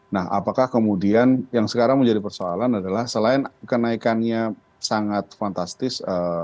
nah apakah kemudian yang sekarang menjadi persoalan adalah selain kenaikannya sangat fantastis